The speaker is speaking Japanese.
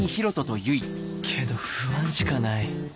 けど不安しかない